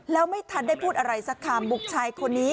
แล้วไม่ทันได้พูดอะไรสักคำ